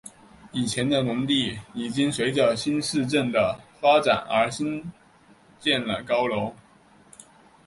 从前的农地已经随着新市镇的发展而兴建了高楼。